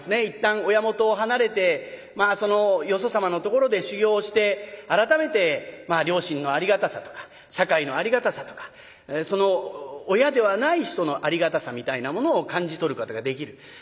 一旦親元を離れてまあそのよそ様のところで修業をして改めて両親のありがたさとか社会のありがたさとかその親ではない人のありがたさみたいなものを感じ取ることができる。